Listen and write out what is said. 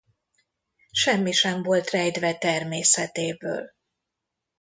Semmi sem volt rejtve természetéből.